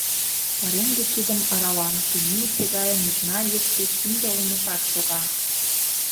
Пареҥге киндым арала, тенийысе гае нужна ийыште кинде олмешат шога.